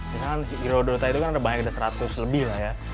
misalkan hero dota itu kan ada banyak ada seratus lebih lah ya